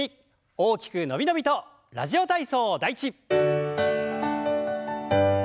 大きく伸び伸びと「ラジオ体操第１」。